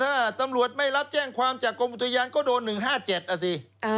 ถ้าตำรวจไม่รับแจ้งความจากกรมอุทยานก็โดน๑๕๗อ่ะสิ